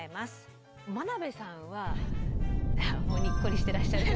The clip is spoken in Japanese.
眞鍋さんはにっこりしてらっしゃる。